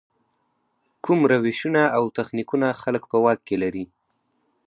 کوم روشونه او تخنیکونه خلک په واک کې لري.